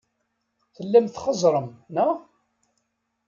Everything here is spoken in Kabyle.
Tellam txeẓẓrem, neɣ?